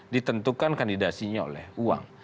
ditentukan kandidasinya oleh uang